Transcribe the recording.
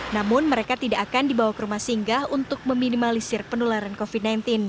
namun mereka tidak akan dibawa ke rumah singgah untuk meminimalisir penularan covid sembilan belas